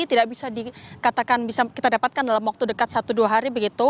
tidak bisa dikatakan bisa kita dapatkan dalam waktu dekat satu dua hari begitu